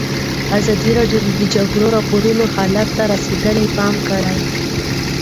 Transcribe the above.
ازادي راډیو د د جګړې راپورونه حالت ته رسېدلي پام کړی.